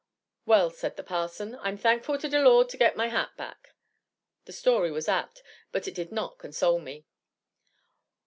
'Well,' said the parson, 'I'm thankful to de Lawd to get my hat back." The story was apt, but it did not console me.